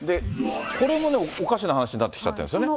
これもね、おかしな話になってきちゃってるんですよね。